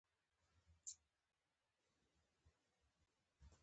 دا اعتراضونه حقیقت بربنډوي چې عبدالله رایې نه شي ګټلای.